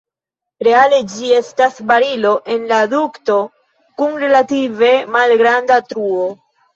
Reale ĝi estas barilo en la dukto kun relative malgranda truo.